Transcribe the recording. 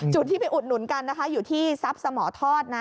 จุดที่ไปอุดหนุนกันนะคะอยู่ที่ทรัพย์สมทอดนะ